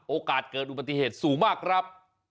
โอกาสเกิดอุบัติเหตุสูงมากครับ